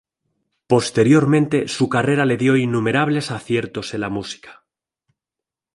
Posteriormente su carrera le dio innumerables aciertos en la música.